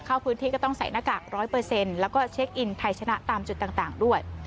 เข้าพื้นที่ก็ต้องใส่หน้ากาก๑๐๐แล้วก็เช็คอินไทยชนะตามจุดต่างด้วย